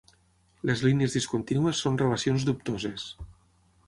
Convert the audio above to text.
Les línies discontínues són relacions dubtoses.